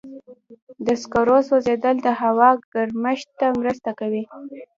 د سکرو سوځېدل د هوا ګرمښت ته مرسته کوي.